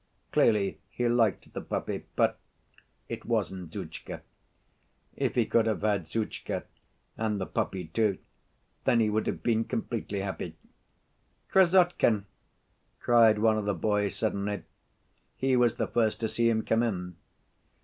Clearly he liked the puppy, but ... it wasn't Zhutchka; if he could have had Zhutchka and the puppy, too, then he would have been completely happy. "Krassotkin!" cried one of the boys suddenly. He was the first to see him come in.